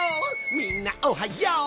みんなおはよう！